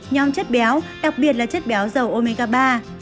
nhóm chất béo đặc biệt là chất béo dầu omika ba